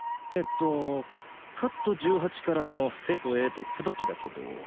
えっとカット１８からの生徒Ａとツバキだけど。